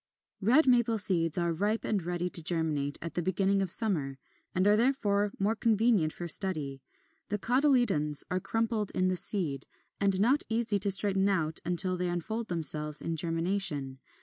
21. Red Maple seeds are ripe and ready to germinate at the beginning of summer, and are therefore more convenient for study. The cotyledons are crumpled in the seed, and not easy to straighten out until they unfold themselves in germination.